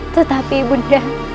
tetapi ibu nda